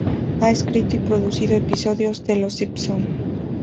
Ha escrito y producido episodios de "Los Simpson".